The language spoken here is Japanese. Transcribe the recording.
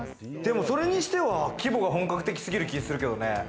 それにしては規模、本格的すぎる気がするけれどもね。